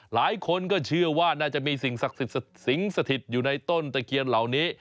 หลายคนก็เชื่อว่าน่าจะมีสิ่งศักดิ์สิทธิ์สิงสถิตอยู่ในต้นตะเคียนเหล่านี้